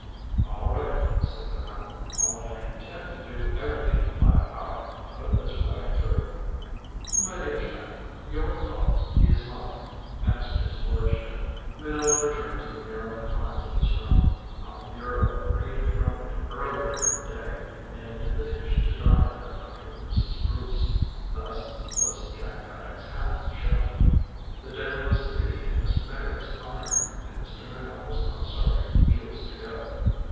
"All right," said Minot. "Only I intend to do every thing in my power to put this wedding through." "My dear chap your cause is mine," answered his lordship. Minot returned to the narrow confines of his room. On the bureau, where he had thrown it earlier in the day, lay an invitation to dine that night with Mrs. Bruce. Thus was Jack Paddock's hand shown. The dinner was to be in Miss Meyrick's honor, and Mr. Minot was not sorry he was to go.